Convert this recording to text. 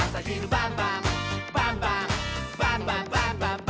「バンバンバンバンバンバン！」